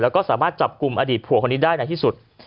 แล้วก็สามารถจับกลุ่มอดีตผัวคนนี้ได้ในที่สุด